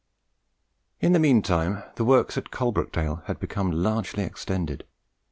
In the mean time the works at Coalbrookdale had become largely extended.